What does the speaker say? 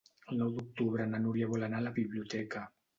El nou d'octubre na Núria vol anar a la biblioteca.